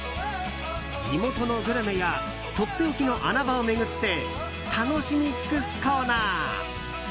地元のグルメやとっておきの穴場を巡って楽しみ尽くすコーナー。